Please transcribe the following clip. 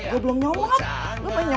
gua belum nyomot gua mau nyomot aja